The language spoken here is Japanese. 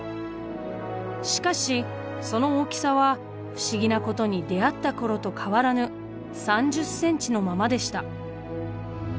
しかしその大きさは不思議なことに出会った頃と変わらぬ３０ｃｍのままでした。